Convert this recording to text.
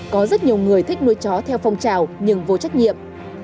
có rất nhiều người thích nuôi chó theo phong trào nhưng vô trách nhiệm